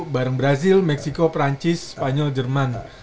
barang brazil meksiko perancis spanyol jerman